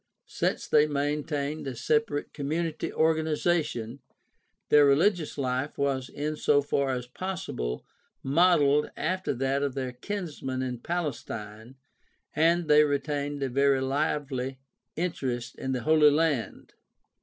Since they maintained a separate community organization, their reHgious life was in so far as possible modeled after that of their kinsmen in Palestine and they retained a very lively interest in the Holy Land.